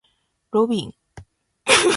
ロビン